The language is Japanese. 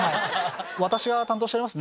私が担当しております